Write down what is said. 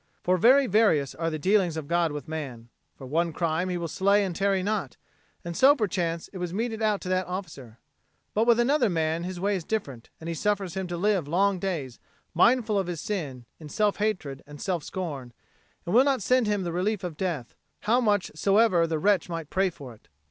For very various are the dealings of God with man. For one crime He will slay and tarry not, and so, perchance, was it meted out to that officer; but with another man His way is different, and He suffers him to live long days, mindful of his sin, in self hatred and self scorn, and will not send him the relief of death, how much soever the wretch may pray for it.